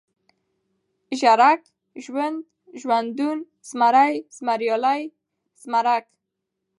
ژړک ، ژوند ، ژوندون ، زمری ، زمريالی ، زمرک